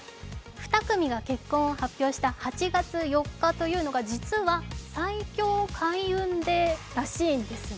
２組が結婚を発表した８月４日というのが実は最強開運日らしいんです。